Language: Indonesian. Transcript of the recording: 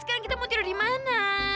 sekarang kita mau tidur di mana